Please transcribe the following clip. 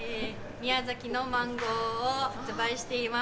宮崎のマンゴーを売ってます。